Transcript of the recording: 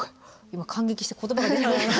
今感激して言葉が出ない。